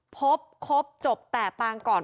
พบครบจบแต่ปางก่อน